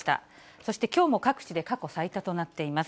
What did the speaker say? そしてきょうも各地で過去最多となっています。